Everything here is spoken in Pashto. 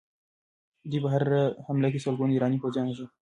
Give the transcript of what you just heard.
دوی په هره حمله کې سلګونه ایراني پوځیان وژل.